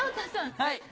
はい。